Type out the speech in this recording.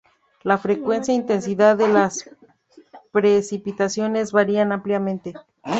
La frecuencia e intensidad de las precipitaciones varían ampliamente.